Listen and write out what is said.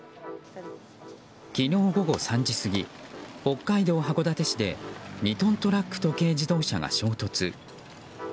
昨日午後３時過ぎ北海道函館市で２トントラックと軽自動車が衝突。